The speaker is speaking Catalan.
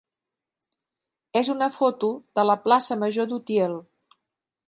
és una foto de la plaça major d'Utiel.